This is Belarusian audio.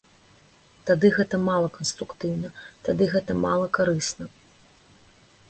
Тады гэта мала канструктыўна, тады гэта мала карысна.